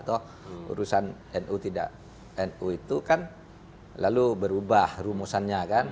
toh urusan nu tidak nu itu kan lalu berubah rumusannya kan